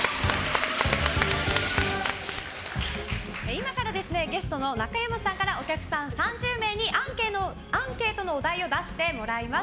今からゲストの中山さんからお客さん３０人にアンケートのお題を出してもらいます。